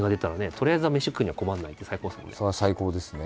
とりあえずは飯食うには困らないって最高ですよね。